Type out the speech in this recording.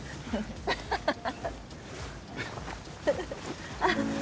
アハハハハ。